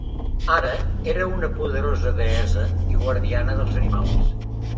Ara era una poderosa deessa i guardiana dels animals.